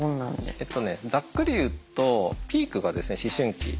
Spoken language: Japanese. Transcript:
ざっくり言うとピークが思春期。